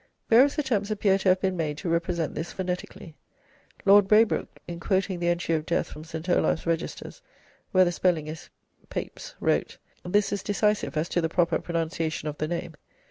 Various attempts appear to have been made to represent this phonetically. Lord Braybrooke, in quoting the entry of death from St. Olave's Registers, where the spelling is "Peyps," wrote, "This is decisive as to the proper pronunciation of the name."